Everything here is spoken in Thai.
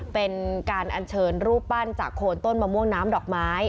เป็นการอัญเชิญรูปปั้นจากโคนต้นมะม่วงน้ำดอกไม้